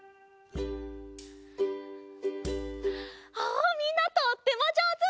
おおみんなとってもじょうず！